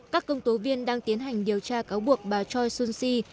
các công tố viên đang tiến hành điều tra cáo buộc bà choi soon shin